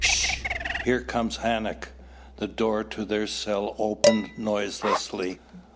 Shh! Here comes Hanac." The door to their cell opened noiselessly.